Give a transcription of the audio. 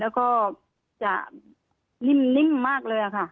แล้วก็จะนิ่มมากเลยค่ะ